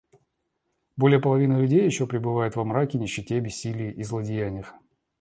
Более половины людей еще пребывают во мраке, нищете, бессилии и злодеяниях.